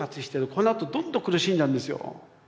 このあとどんどん苦しんだんですよ。